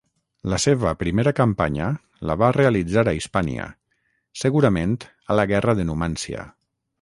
La seva primera campanya la va realitzar a Hispània, segurament a la Guerra de Numància.